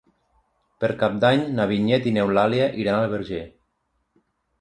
Per Cap d'Any na Vinyet i n'Eulàlia iran al Verger.